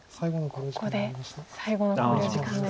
ここで最後の考慮時間です。